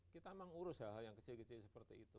kita mengurus hal hal yang kecil kecil seperti itu